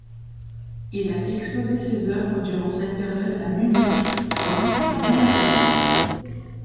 Il a exposé ses œuvres durant cette période à Munich, Rome et Budapest.